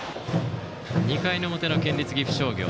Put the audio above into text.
２回の表の県立岐阜商業。